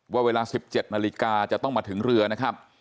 ว่าเวลา๑๗นาฬิกาจะต้องมาถึงเรือนะครับ